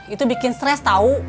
itu bikin stres tau